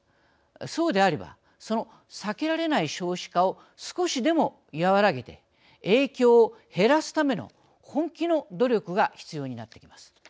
そうであればその避けられない少子化を少しでも和らげて影響を減らすための本気の努力が必要になってきます。